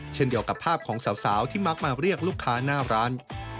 เช่นเดียวกับภาพของสาวที่มักมาเรียกลูกค้าหน้าร้าน